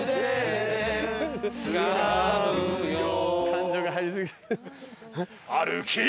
感情が入り過ぎて。